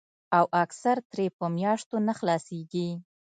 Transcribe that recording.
او اکثر ترې پۀ مياشتو نۀ خلاصيږي